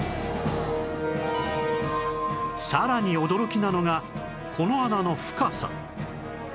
さらに驚きなのがこの穴の深さ